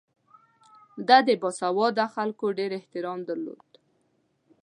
ده د باسواده خلکو ډېر احترام درلود.